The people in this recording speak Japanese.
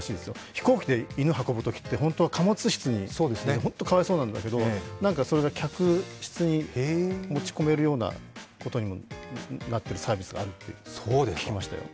飛行機で犬を運ぶときって、本当は貨物室に、かわいそうなんだけど、それが客室に持ち込めるようなことになってるサービスがあるって聞きましたよ。